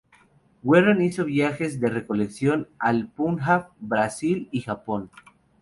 Warren hizo viajes de recolección al Punjab, Brasil y Japón.